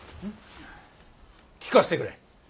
聞かせてくれ。